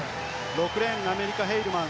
６レーンアメリカ、ヘイルマン。